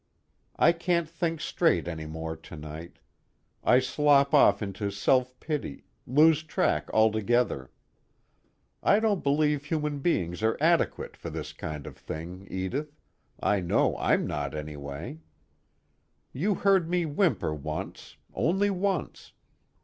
I can't think straight any more tonight. I slop off into self pity, lose track altogether. I don't believe human beings are adequate for this kind of thing, Edith, I know I'm not anyway. You heard me whimper once, only once.